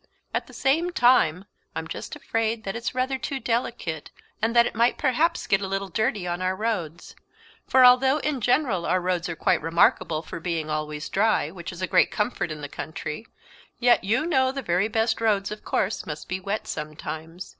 At the same time, I'm just afraid that it's rather too delicate, and that it might perhaps get a little dirty on our roads; for although, in general, our roads are quite remarkable for being always dry, which is a great comfort in the country, yet you know the very best roads of course must be wet sometimes.